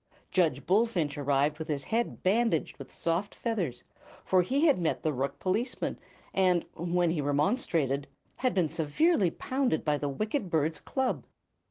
Judge Bullfinch arrived with his head bandaged with soft feathers, for he had met the rook policeman and, when he remonstrated, had been severely pounded by the wicked bird's club.